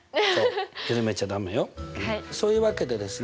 そういうわけでですね